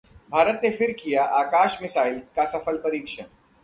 भारत ने फिर किया आकाश मिसाइल का सफल परीक्षण